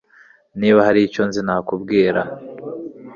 Niba hari icyo nzi nakubwira